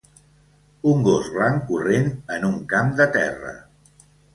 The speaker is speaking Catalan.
Un gos blanc corrent en un camp de terra